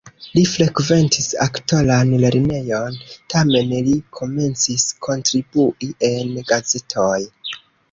Li frekventis aktoran lernejon, tamen li komencis kontribui en gazetoj.